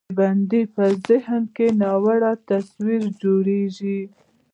د بنده په ذهن کې ناوړه تصویر جوړېږي.